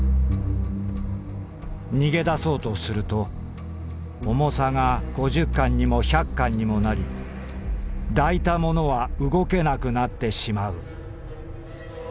「逃げ出そうとすると重さが五十貫にも百貫にもなり抱いた者は動けなくなってしまう。